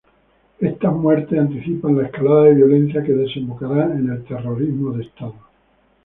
Estas muertes anticipan la escalada de violencia que desembocará en el Terrorismo de Estado.